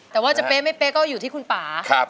แต่ว่าจะเป๊ะไม่เป๊ะก็อยู่ที่คุณป่า